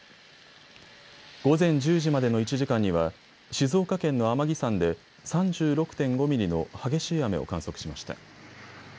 午前１０時までの１時間には静岡県の天城山で３６．５ミリの激しい雨を観測しました。